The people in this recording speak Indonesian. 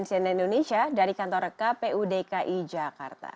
dan siena indonesia dari kantor kpud dki jakarta